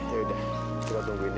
yaudah kita tungguin ya